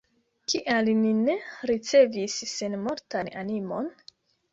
Kial ni ne ricevis senmortan animon?